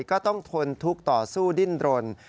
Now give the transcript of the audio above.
ก็ต้องทนทุกข์ต่อสู้ดิ้นรน